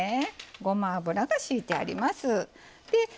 ごま油がひいてあります。